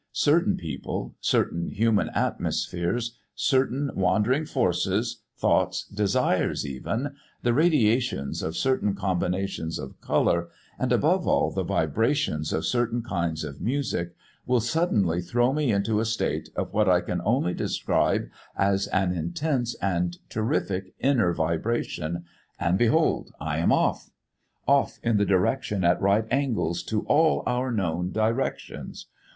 Certain people, certain human atmospheres, certain wandering forces, thoughts, desires even the radiations of certain combinations of colour, and above all, the vibrations of certain kinds of music, will suddenly throw me into a state of what I can only describe as an intense and terrific inner vibration and behold I am off! Off in the direction at right angles to all our known directions!